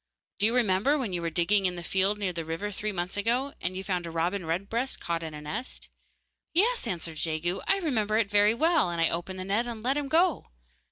'Do you remember when you were digging in the field near the river, three months ago, you found a robin redbreast caught in a net? 'Yes,' answered Jegu, 'I remember it very well, and I opened the net and let him go.